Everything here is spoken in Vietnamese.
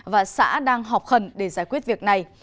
và xã đang họp khẩn để giải quyết việc này